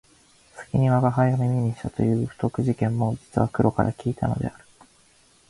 先に吾輩が耳にしたという不徳事件も実は黒から聞いたのである